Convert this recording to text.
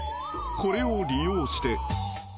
［これを利用して］